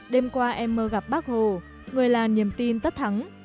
đêm qua em mơ gặp bác hồ người là niềm tin tất thắng